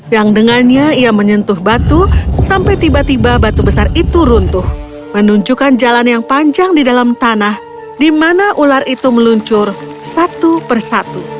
yang dengannya ia menyentuh batu sampai tiba tiba batu besar itu runtuh menunjukkan jalan yang panjang di dalam tanah di mana ular itu meluncur satu persatu